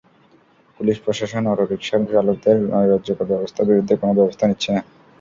Police প্রশাসন অটোরিকশার চালকদের নৈরাজ্যকর ব্যবস্থার বিরুদ্ধে কোনো ব্যবস্থা নিচ্ছে না।